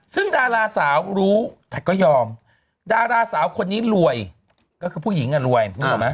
ซึ่งดาราสาวรู้แต่ก็ยอมดาราสาวคนนี้รวยก็คือผู้หญิงอ่ะรวยนึกออกไหม